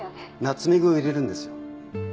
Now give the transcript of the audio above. ナツメグを入れるんですよ。